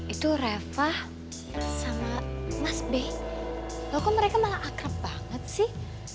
itu reva sama mas b kok mereka malah akrab banget sih